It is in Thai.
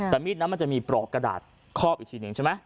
แต่มีดนั้นมันจะมีปรอกกระดาษครอบอีกตรงนึง